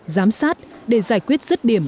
giám sát để giải quyết rứt điểm